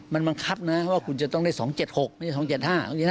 มันบังคับนะว่าคุณจะต้องได้๒๗๖ไม่ใช่๒๗๕